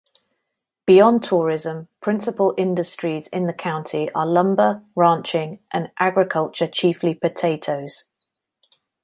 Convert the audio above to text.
Beyond tourism, principal industries in the county are lumber, ranching and agriculture-chiefly potatoes.